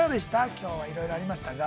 きょうはいろいろありましたが。